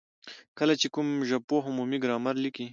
کله چي کوم ژبپوه عمومي ګرامر ليکي،